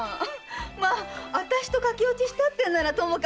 まああたしとかけおちしたっていうならともかく。